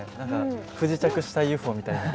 不時着したＵＦＯみたいな。